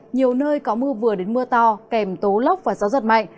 nhiều nơi có mưa vừa đến mưa to kèm tố lốc và gió giật mạnh